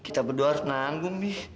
kita berdua harus nanggung nih